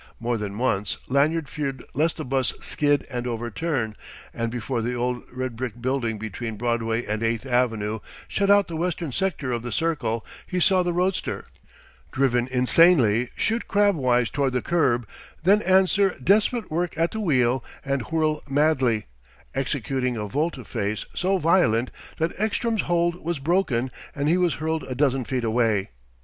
More than once Lanyard feared lest the 'bus skid and overturn; and before the old red brick building between Broadway and Eighth Avenue shut out the western sector of the Circle, he saw the roadster, driven insanely, shoot crabwise toward the curb, than answer desperate work at the wheel and whirl madly, executing a volte face so violent that Ekstrom's hold was broken and he was hurled a dozen feet away.